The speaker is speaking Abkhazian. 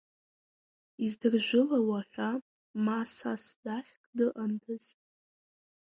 Издыржәылауа ҳәа ма сас дахьк дыҟандаз…